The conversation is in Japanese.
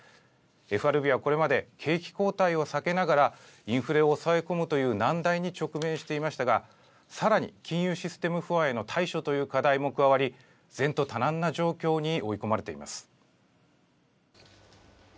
ＦＲＢはこれまで、景気後退を避けながらインフレを抑え込むという難題に直面していましたが、さらに金融システム不安への対処という課題も加わり、前途多難な状況に追い込まれています。